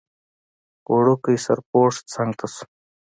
وړوکی سرپوښ څنګ ته شو.